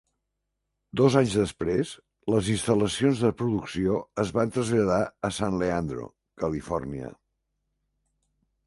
Dos anys després, les instal·lacions de producció es van traslladar a San Leandro, Califòrnia.